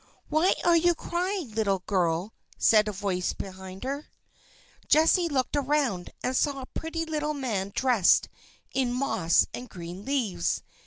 "Why are you crying, little girl?" said a voice behind her. Jessie looked around, and saw a pretty little man dressed in moss and green leaves.